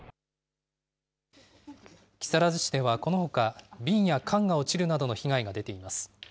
木更津市ではこのほか、瓶や缶が落ちるなどの被害が出ています。